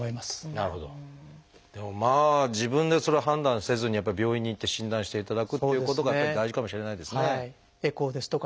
でも自分でそれを判断せずにやっぱり病院に行って診断していただくっていうことがやっぱり大事かもしれないですね。